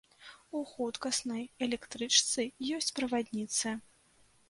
У хуткаснай электрычцы ёсць правадніцы.